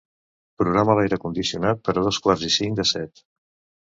Programa l'aire condicionat per a dos quarts i cinc de set.